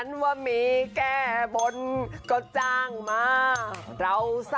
จากลิกาบจากลิเกย์